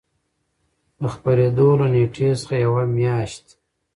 د خپرېدو له نېټې څخـه یـوه میاشـت